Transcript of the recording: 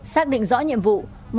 xác định rõ nhiệm vụ